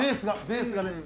ベースが。